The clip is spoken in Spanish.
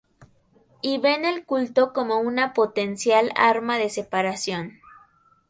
Y ven el culto como una potencial arma de separación.